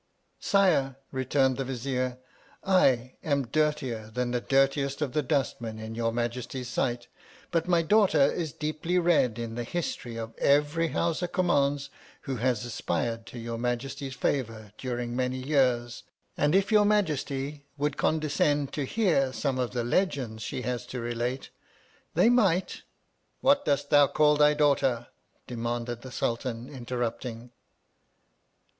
Sire, returned the Vizier, I am ] dirtier than the dirtiest of the dustmen in your Majesty's sight, but my daughter is deeply read in the history of every Howsa Kuinmauns who has aspired to your Majesty's ; favbur during many years, and if your Majesty would condescend to hear some of, the Legends she has to relate, they might ! What dost thou call thy daughter 1 demanded , the Sultan, interrupting.